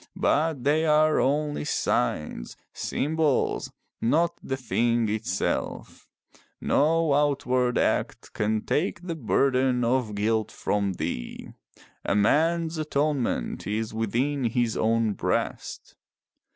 But they are only signs, symbols, not the thing itself. No outward act can take the burden of guilt from thee. A man's atonement is within his own breast.